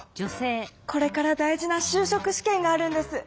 これから大事なしゅうしょく試験があるんです。